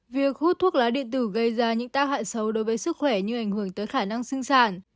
việc hút thuốc lá điện tử gây ra những tác hại xấu đối với sức khỏe như ảnh hưởng tới khả năng sinh sản